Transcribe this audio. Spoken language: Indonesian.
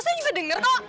saya juga dengar kok